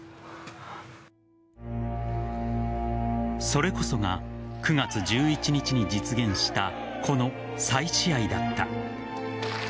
それこそが９月１１日に実現したこの再試合だった。